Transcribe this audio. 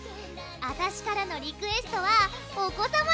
あたしからのリクエストはお子さま